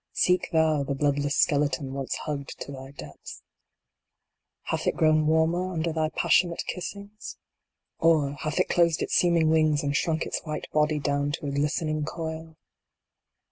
Seek thou the bloodless skeleton once hugged to thy depths. Hath it grown warmer under thy passionate kissings ? Or, hath it closed its seeming wings and shrunk its white body down to a glistening coil